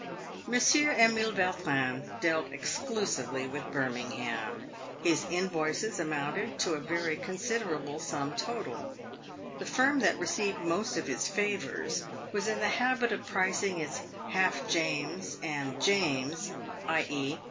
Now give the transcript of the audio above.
Monsieur Emile Yautrin dealt exclusively with Birmingham. His PAVED WITH GOLD. invoices amounted to a very considerable sum total. The firm that re ceived most of his " favours" was in the habit of prieiug its " half James" and "James" (i.e.